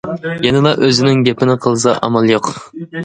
يەنىلا ئۆزىنىڭ گېپىنى قىلسا ئامال يوق.